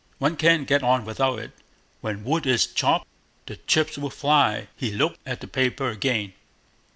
One can't get on without it. 'When wood is chopped the chips will fly.'" He looked at the paper again.